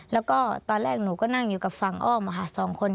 แล้วก็ตอนแรกหนูก็นั่งอยู่กับฝั่งอ้อมค่ะสองคน